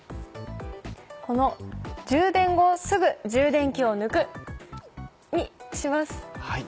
この「充電後すぐ充電器を抜く」にします。